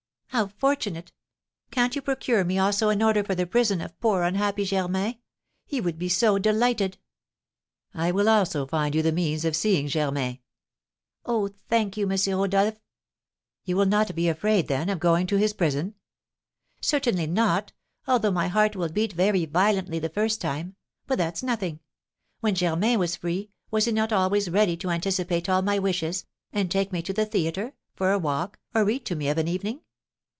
"How fortunate! Can't you procure me also an order for the prison of poor, unhappy Germain? He would be so delighted!" "I will also find you the means of seeing Germain." "Oh, thank you, M. Rodolph." "You will not be afraid, then, of going to his prison?" "Certainly not; although my heart will beat very violently the first time. But that's nothing. When Germain was free, was he not always ready to anticipate all my wishes, and take me to the theatre, for a walk, or read to me of an evening?